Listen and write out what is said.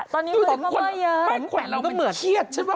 ต้องอยู่ต้องหยุด